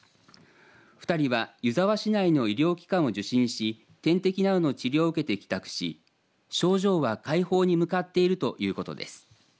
２人は湯沢市内の医療機関を受診し点滴などの治療を受けて帰宅し症状は快方に向かっているということです。